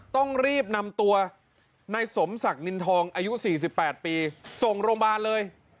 ต้องรีบนำตัวนายสมศักดิ์นินทองอายุ๔๘ปีส่งโรงพยาบาลเลย